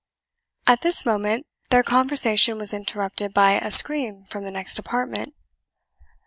At this moment their conversation was interrupted by a scream from the next apartment.